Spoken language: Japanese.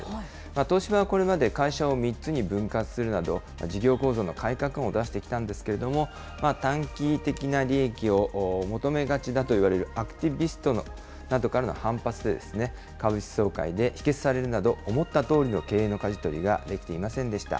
東芝はこれまで会社を３つに分割するなど、事業構造の改革案を出してきたんですけれども、短期的な利益を求めがちだといわれるアクティビストなどからの反発で、株主総会で否決されるなど、思ったとおりの経営のかじ取りができていませんでした。